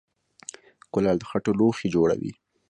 کولال د خټو لوښي جوړوي